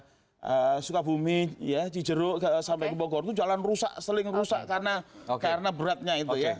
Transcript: dari sukabumi ya cijeruk sampai ke bogor itu jalan rusak seling rusak karena beratnya itu ya